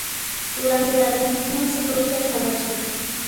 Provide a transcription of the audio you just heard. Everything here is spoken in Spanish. Durante la reunión se prohíbe el comercio.